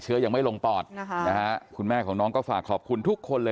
เพราะว่าหนูจะได้รู้ว่าอาการน้องเขาเป็นอย่างไร